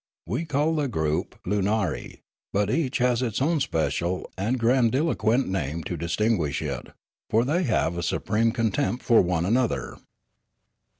We call the group I,oonarie ; but each has its own special and grandiloquent name to distinguish it, for they have a supreme contempt for one another."